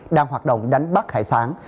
đang hoạt động đánh bắt hải sản